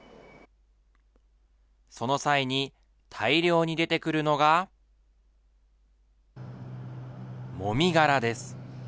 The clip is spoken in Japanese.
その際に大量に出てくるのが、もみ殻です。